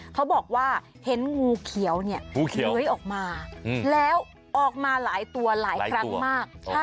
เขาบอกว่าเห็นงูเขียวเนี่ยเย้ยออกมาแล้วออกมาหลายตัวหลายครั้งมาก